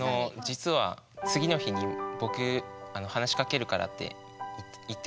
実は「次の日に僕話しかけるから」って言ってきたんですね友達が。